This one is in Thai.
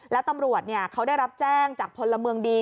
แล้วตำรวจเขาได้รับแจ้งจากพลเมืองดี